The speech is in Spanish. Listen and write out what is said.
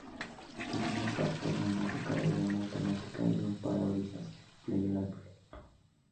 Tiene una capota neumática de goma automática y un parabrisas plegable.